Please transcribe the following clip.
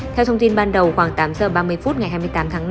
theo thông tin ban đầu khoảng tám giờ ba mươi phút ngày hai mươi tám tháng năm